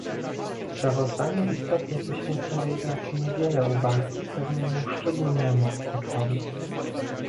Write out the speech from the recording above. W sprawozdaniu istotnie poświęcono jednak niewiele uwagi pewnemu szczególnemu aspektowi